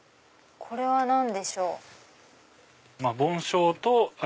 これも何でしょう？